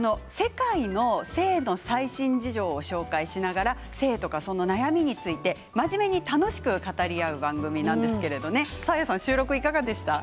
性の最新治療を紹介しながら性の悩みについて真面目に楽しく語り合う番組なんですけれどもサーヤさん、収録いかがでした？